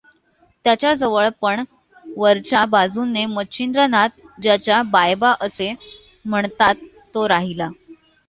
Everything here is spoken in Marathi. त्याच्याजवळ पण वरच्या बाजुनें मच्छिंद्रनाथ ज्याच्या बायबा असें म्हणतात तो राहिला.